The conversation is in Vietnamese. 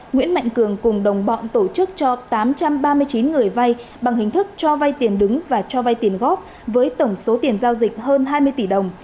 nguyễn mạnh cường cùng đồng bọn tổ chức cho tám trăm ba mươi chín người vay bằng hình thức cho vay tiền đứng và cho vay tiền góp với tổng số tiền giao dịch hơn hai mươi tỷ đồng